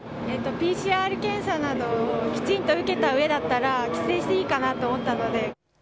ＰＣＲ検査などをきちんと受けたうえだったら、帰省していいかなと思ったので。